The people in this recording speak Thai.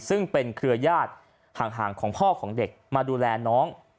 ซึ่งเป็นเครือญาติห่างของพ่อของเด็กมาดูแลน้อง